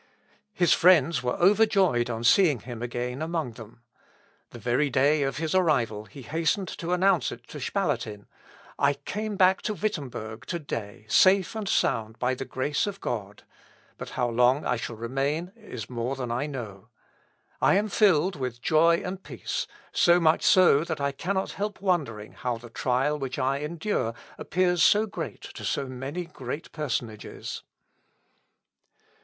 His friends were overjoyed on seeing him again among them. The very day of his arrival he hastened to announce it to Spalatin "I came back to Wittemberg to day, safe and sound, by the grace of God; but how long I shall remain is more than I know.... I am filled with joy and peace; so much so, that I cannot help wondering how the trial which I endure appears so great to so many great personages."